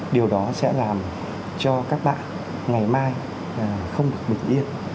điều đó sẽ làm cho các bạn ngày mai không được bình yên